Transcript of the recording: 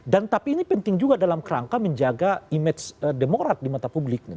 dan tapi ini penting juga dalam kerangka menjaga image demorat di mata publik